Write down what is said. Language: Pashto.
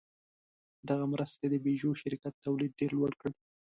دغې مرستې د پيژو شرکت تولید ډېر لوړ کړ.